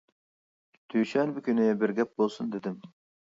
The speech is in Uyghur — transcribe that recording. دۈشەنبە كۈنى بىر گەپ بولسۇن، -دېدى.